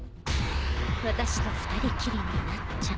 私と二人きりになっちゃ。